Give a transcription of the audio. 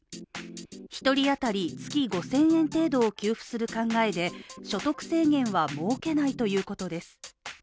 １人当たり月５０００円程度を給付する考えで所得制限は設けないということです。